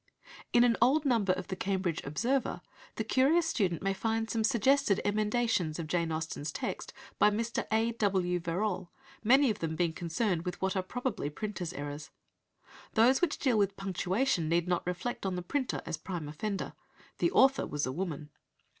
In an old number of the Cambridge Observer the curious student may find some suggested emendations of Jane Austen's text by Mr. A. W. Verrall, many of them being concerned with what are probably printers' errors. Those which deal with punctuation need not reflect on the printer as prime offender. The author was a woman.